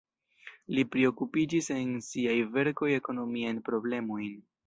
Li priokupiĝis en siaj verkoj ekonomiajn problemojn.